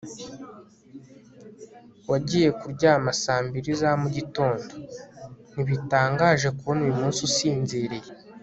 wagiye kuryama saa mbiri za mugitondo? ntibitangaje kubona uyu munsi usinziriye